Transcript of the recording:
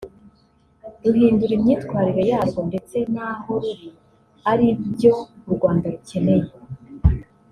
ruhindura imyitwarire yarwo ndetse naho ruri aribyo u Rwanda rukeneye